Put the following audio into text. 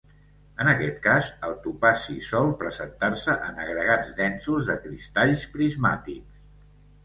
En aquest cas, el topazi sol presentar-se en agregats densos de cristalls prismàtics.